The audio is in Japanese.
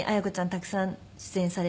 たくさん出演されていて。